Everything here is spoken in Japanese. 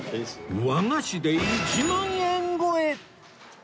和菓子で１万円超え！